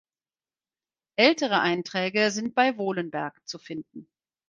Ältere Einträge sind bei Wohlenberg zu finden.